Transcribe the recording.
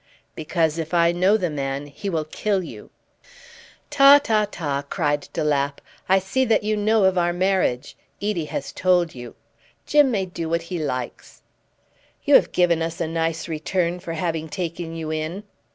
"Because, if I know the man, he will kill you." "Ta, ta, ta!" cried de Lapp. "I see that you know of our marriage. Edie has told you. Jim may do what he likes." "You have given us a nice return for having taken you in."